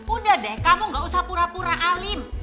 udah deh kamu gak usah pura pura alim